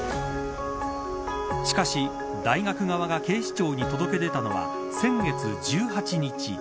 しかし、大学側が警視庁に届け出たのは先月１８日。